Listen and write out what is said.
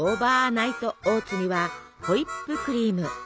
ナイトオーツにはホイップクリーム。